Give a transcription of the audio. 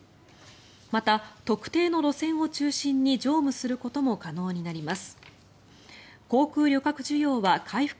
また、特定の路線を中心に乗務することも可能になります。